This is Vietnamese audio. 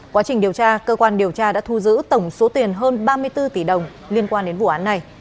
quá trình điều tra cơ quan điều tra đã thu giữ tổng số tiền hơn ba mươi bốn tỷ đồng liên quan đến vụ án này